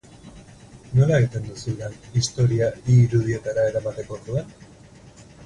Nola egiten duzu lan istorioa irudietara eramateko orduan?